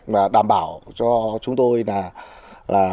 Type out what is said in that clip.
và đảm bảo cho chúng tôi là